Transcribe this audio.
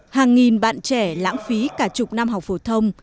hàng nghìn bạn trẻ lãng phí cả chục năm học phổ thông